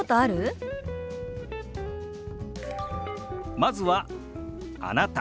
まずは「あなた」。